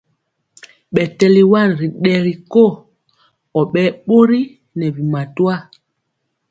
Ɓɛ tɛli wan ri ɗɛgi ko, ɔ ɓɛɛ ɓori nɛ bi matwa.